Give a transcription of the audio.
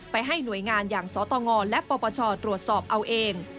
ให้หน่วยงานอย่างสตงและปปชตรวจสอบเอาเอง